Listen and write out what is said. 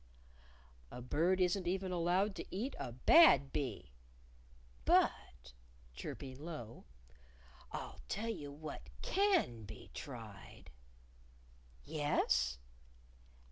"A bird isn't even allowed to eat a bad bee. But" chirping low "I'll tell you what can be tried." "Yes?"